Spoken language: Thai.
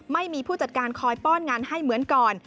ผู้จัดการคอยป้อนงานให้เหมือนก่อน